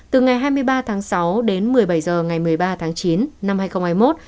từ ngày hai mươi ba tháng sáu đến một mươi bảy h ngày một mươi ba tháng chín năm hai nghìn hai mươi một